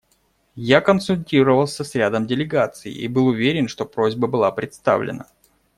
Я консультировался с рядом делегаций и был уверен, что просьба была представлена.